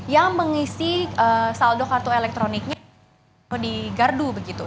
yang mengisi saldo kartu elektroniknya di gardu begitu